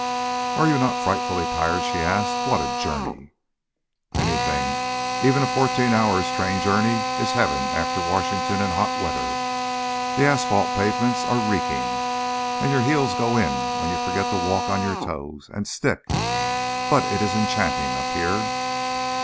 "Are you not frightfully tired?" she asked. "What a journey!" "Anything, even a fourteen hours' train journey, is heaven after Washington in hot weather. The asphalt pavements are reeking, and your heels go in when you forget to walk on your toes and stick. But it is enchanting up here."